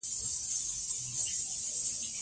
د ګڼو قبایلو د یووالي څخه حکومت جوړيږي.